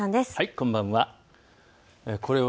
こんばんは。